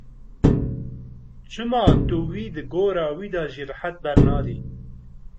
Çima tu wî di gora wî de jî rehet bernadî.